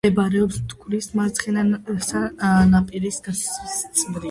მდებარეობს მტკვრის მარცხენა ნაპირის გასწვრივ.